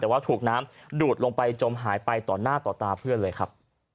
แต่ว่าถูกน้ำดูดลงไปจมหายไปต่อหน้าต่อตาเพื่อนเลยครับ